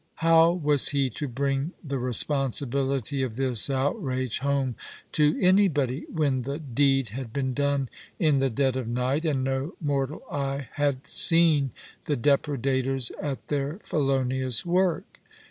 How was lie to bring the responsibility of this outrage home to'anybody, when the deed had been done in the dead of night, and no mortal eye had seen the depredators at their felonious work